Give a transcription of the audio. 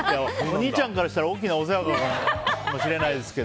お兄ちゃんからしたら大きなお世話かもしれないですが。